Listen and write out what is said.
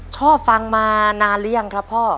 ชอบฟังมานานหรือยังครับพ่อ